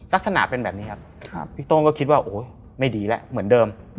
ลักษณะเป็นแบบนี้ครับพี่โต้งก็คิดว่าโอ๊ยไม่ดีแล้วเหมือนเดิม